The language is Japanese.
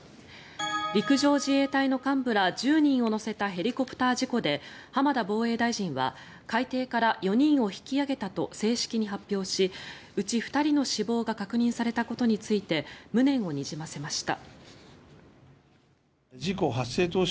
陸上自衛隊の幹部ら１０人を乗せたヘリコプター事故で浜田防衛大臣は海底から４人を引き揚げたと正式に発表しうち２人の死亡が確認されたことについて無念をにじませました。